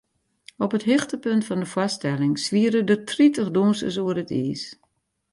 Op it hichtepunt fan de foarstelling swiere der tritich dûnsers oer it iis.